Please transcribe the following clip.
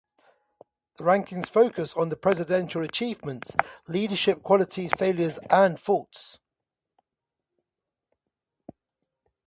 The rankings focus on the presidential achievements, leadership qualities, failures, and faults.